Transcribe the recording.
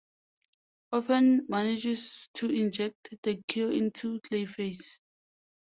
Orphan manages to inject the cure into Clayface.